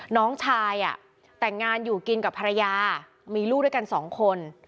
น้องชายแต่งงานอยู่กินกับภรรยามีลูกด้วยกันสองคน